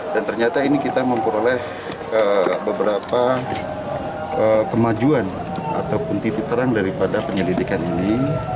dan ternyata ini kita memperoleh beberapa kemajuan atau punti putaran daripada penyelidikan ini